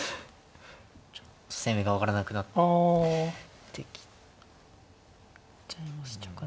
ちょっと攻めが分からなくなってきちゃいましたかね。